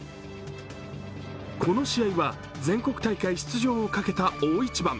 この試合は全国大会出場を懸けた大一番。